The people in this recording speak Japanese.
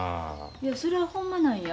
いやそれはほんまなんや。